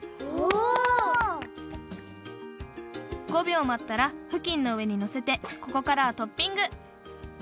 ５びょうまったらふきんのうえにのせてここからはトッピング！